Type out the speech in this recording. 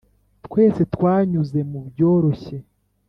twese twanyuze mubyoroshye.